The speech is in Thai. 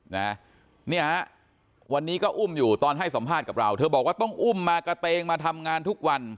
เนี่ยฮะวันนี้ก็อุ้มอยู่ตอนให้สัมภาษณ์กับเราเธอบอกว่าต้องอุ้มมากระเตงมาทำงานทุกวัน